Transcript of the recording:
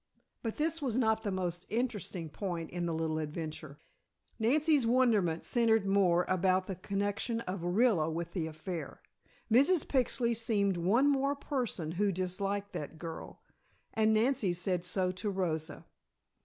But this was not the most interesting point in the little adventure. Nancy's wonderment centered more about the connection of Orilla with the affair. Mrs. Pixley seemed one more person who disliked that girl, and Nancy said so to Rosa.